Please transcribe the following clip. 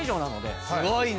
すごいね！